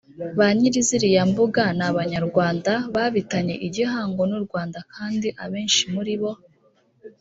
Ba nyiri ziriya mbuga ni abanyarwanda babitanye igihango n’ u Rwanda kandi abenshi muri bo